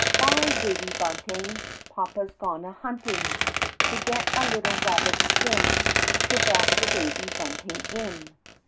"By Baby Bunting! Papa's gone a hunting To get a little rabbit skin To wrap the Baby Bunting in."